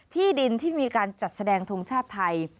ที่ดินที่มีการจัดแสดงทงชาติไทย